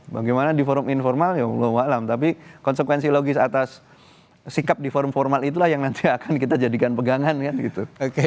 bagaimana di forum informal ya allah walam tapi konsekuensi logis atas sikap di forum formal itulah yang nanti akan kita jadikan pegangan kan gitu